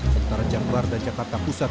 sementara jabar dan jakarta pusat